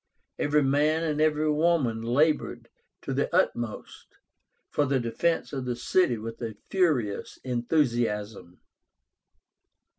Every man and every woman labored to the uttermost for the defence of the city with a furious enthusiasm.